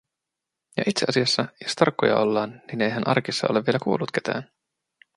Ja itseasiassa, jos tarkkoja ollaan, niin eihän arkissa ole vielä kuollut ketään;